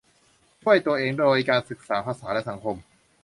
ช่วยตัวเองโดยการศึกษาภาษาและสังคม